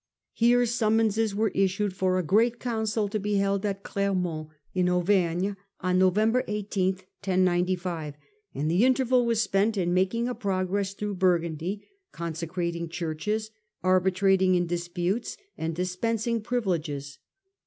Here summonses were issued for a great council to be held at Clermont, in Auvergne, on November 18th, and the interval was spent in making a progress through Burgundy, conse crating churches, arbitrating in disputes, and dispensing privileges.